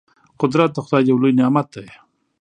قدرت د خدای یو لوی نعمت دی.